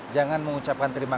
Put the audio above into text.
jangan mengucapkan terima kasih